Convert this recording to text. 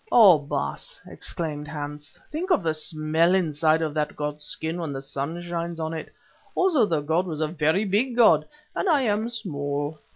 "Oh! Baas," exclaimed Hans, "think of the smell inside of that god's skin when the sun shines on it. Also the god was a very big god, and I am small."